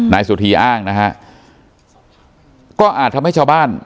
นายสุธีอ้างนะฮะก็อาจทำให้ชาวบ้าน